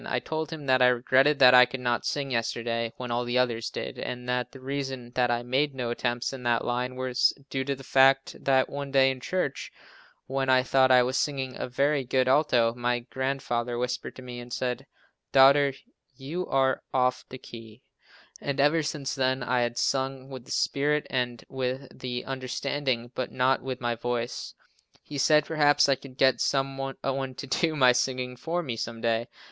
I told him that I regretted that I could not sing yesterday, when all the others did, and that the reason that I made no attempts in that line was due to the fact that one day in church, when I thought I was singing a very good alto, my grandfather whispered to me, and said: "Daughter, you are off the key," and ever since then, I had sung with the spirit and with the understanding, but not with my voice. He said perhaps I could get some one to do my singing for me, some day.